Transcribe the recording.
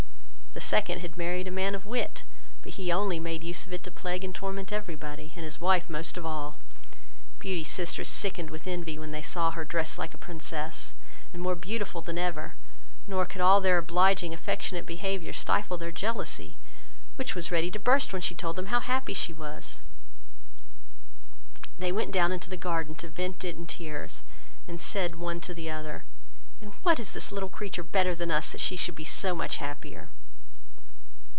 The second had married a man of wit, but he only made use of it to plague and torment every body, and his wife most of all. Beauty's sisters sickened with envy, when they saw her dressed like a Princess, and more beautiful than ever; nor could all her obliging affectionate behaviour stifle their jealousy, which was ready to burst when she told them how happy she was. They went down into the garden to vent it in tears; and said one to the other, "In what is this little creature better than us, that she should be so much happier?"